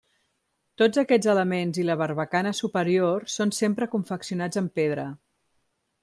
Tots aquests elements i la barbacana superior, són sempre confeccionats en pedra.